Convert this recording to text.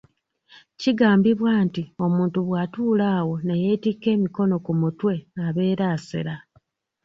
Kigambibwa nti omuntu bw'atuula awo n’eyeetikka emikono ku mutwe abeera asera.